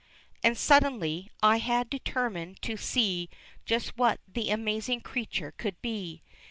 And suddenly I had determined to see just what that amazing creature could be.